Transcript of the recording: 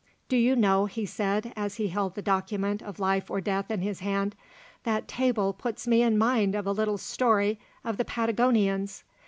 "Do you know," he said, as he held the document of life or death in his hand, "that table puts me in mind of a little story of the Patagonians.